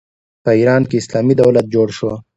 په ایران کې اسلامي دولت جوړ شو.